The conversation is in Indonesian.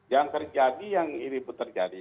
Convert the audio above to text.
yang terjadi yang ribut terjadi